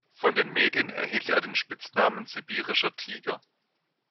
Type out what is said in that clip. Von den Medien erhielt er den Spitznamen "Sibirischer Tiger".